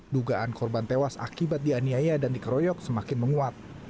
dugaan korban tewas akibat dianiaya dan dikeroyok semakin menguat